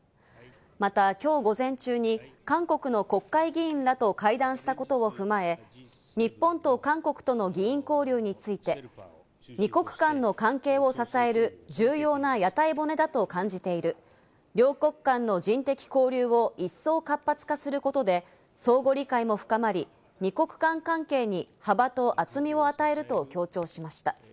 また今日午前中に韓国の国会議員らと会談したことを踏まえ、日本と韓国との議員交流について、二国間の関係を支える重要な屋台骨だと感じている、両国間の人的交流を一層活発化することで相互理解も深まり、二国間関係に幅と厚みを与えると強調しました。